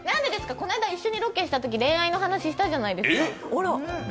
この間、一緒にロケしたとき恋愛の話、したじゃないですか？